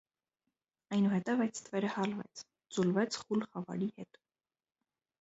Այնուհետև, այդ ստվերը հալվեց, ձուլվեց խուլ խավարի հետ: